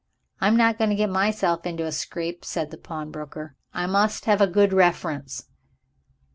"I'm not going to get myself into a scrape," said the pawnbroker; "I must have a good reference."